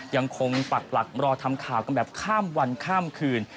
ปักหลักรอทำข่าวกันแบบข้ามวันข้ามคืน